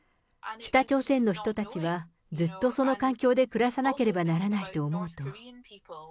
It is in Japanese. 北朝鮮の人たちはずっとその環境で暮らさなければならないと思うと。